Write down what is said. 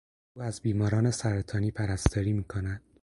او از بیماران سرطانی پرستاری میکند.